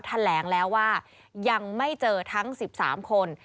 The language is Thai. แถลงแล้วว่ายังไม่เจอทั้ง๑๓คน